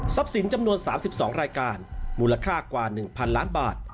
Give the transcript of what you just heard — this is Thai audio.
สินจำนวน๓๒รายการมูลค่ากว่า๑๐๐๐ล้านบาท